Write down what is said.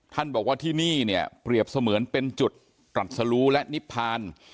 ท่านบอกว่าที่นี่เนี่ยเปรียบเสมือนเป็นจุดตรัสรู้และนิพพาน